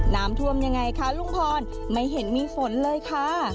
น้ำท่วมยังไงคะลุงพรไม่เห็นมีฝนเลยค่ะ